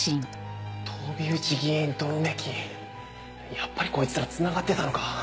やっぱりこいつら繋がってたのか！